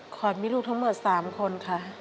ขอมีลูกทั้งหมด๓คนค่ะ